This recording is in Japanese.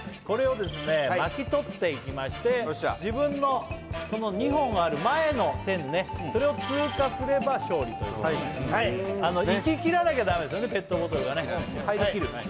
これをですね巻き取っていきまして自分のこの２本ある前の線ねそれを通過すれば勝利ということになります